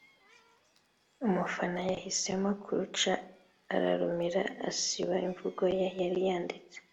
umufana yahisemo kuruca ararumira asiba imvugo ye yari yanditse